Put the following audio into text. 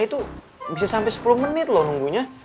itu bisa sampai sepuluh menit loh nunggunya